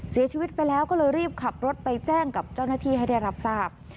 เสียชีวิตไปแล้วก็เลยรีบขับรถไปแจ้งกับเจ้าหน้าที่ให้ได้รับทราบ